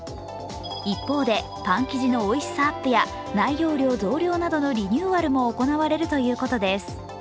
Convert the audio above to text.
一方でパン生地のおいしさアップや内容量増量などのリニューアルも行われるということです。